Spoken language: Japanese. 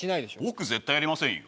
僕絶対やりませんよ